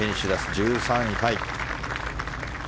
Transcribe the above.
１３位タイ。